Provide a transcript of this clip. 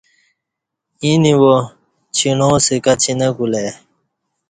ییں نِوا ڄݨا سہ کچی نہ کُلہ ای